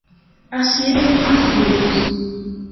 Assírios e sírios